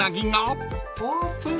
オープン。